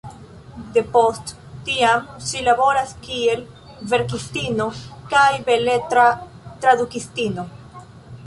Depost tiam ŝi laboras kiel verkistino kaj beletra tradukistino.